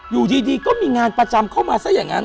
อยู่ดีก็มีงานประจำเข้ามาซะอย่างนั้น